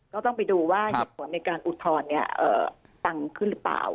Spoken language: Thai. ก็ต้องไปดูว่าเหตุผลในการอุทธรณ์ตังขึ้นหรือเปล่า